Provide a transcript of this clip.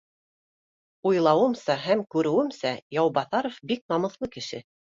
Уйлауымса һәм күреүемсә, Яубаҫа ров бик намыҫлы кеше